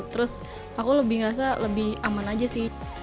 terus aku lebih ngerasa lebih aman aja sih